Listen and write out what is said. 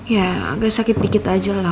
ya agak sakit dikit aja lah